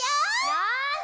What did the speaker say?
よし！